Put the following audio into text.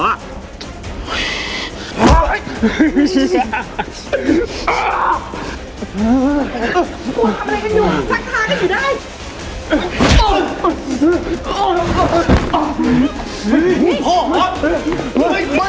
อ้าว